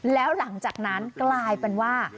แล้วหลังจากนั้นกลายเป็นว่า